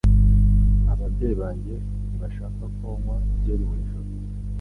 Ababyeyi banjye ntibashaka ko nywa byeri buri joro